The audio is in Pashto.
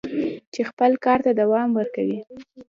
چې خپل کار ته دوام ورکړي."